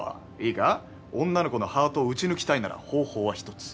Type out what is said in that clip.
いいか女の子のハートを撃ち抜きたいなら方法は１つ。